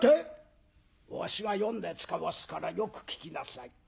「わしが読んでつかわすからよく聞きなさい」。